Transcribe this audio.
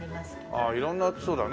ああ色んなそうだね。